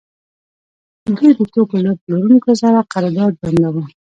دوی د توکو له پلورونکو سره قرارداد بنداوه